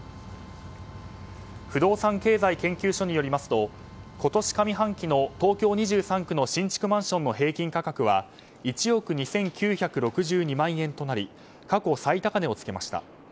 不動産経済研究所によりますと今年上半期の東京２３区の新築マンションの平均価格は１億２９６２万円となり過去最高値を付けました。